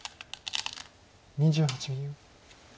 ２８秒。